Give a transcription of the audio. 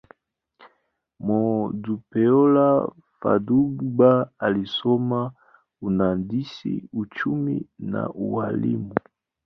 Modupeola Fadugba alisoma uhandisi, uchumi, na ualimu.